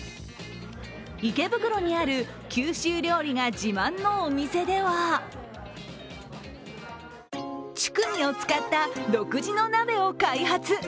池袋にある九州料理が自慢のお店ではチュクミを使った独自の鍋を開発。